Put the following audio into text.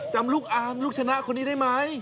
จำลูกอามลูกชนะคนนี้ได้ไหม